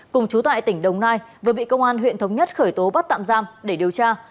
cùng chú tại tỉnh đồng nai vừa bị công an huyện thống nhất khởi tố bắt tạm giam để điều tra